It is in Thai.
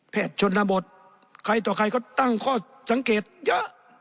ชนบทใครต่อใครก็ตั้งข้อสังเกตเยอะ